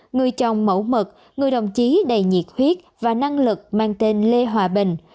người chồng mẫu mực người đồng chí đầy nhiệt huyết và năng lực mang tên lê hòa bình